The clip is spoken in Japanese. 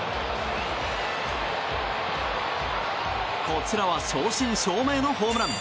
こちらは正真正銘のホームラン。